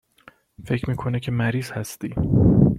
فکر میکنه که مریض هستی